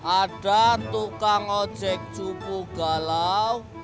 ada tukang ngojek cupu galau